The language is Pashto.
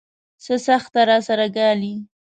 څه سختۍ راسره ګالي.